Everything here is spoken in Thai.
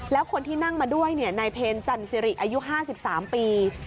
แล้วคนที่นั่งมาด้วยนายเพลจันสิริอายุ๕๓ปี